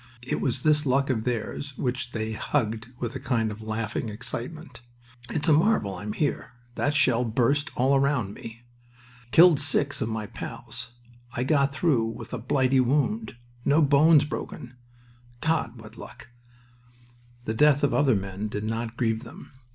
It was this luck of theirs which they hugged with a kind of laughing excitement. "It's a marvel I'm here! That shell burst all round me. Killed six of my pals. I've got through with a blighty wound. No bones broken... God! What luck!" The death of other men did not grieve them.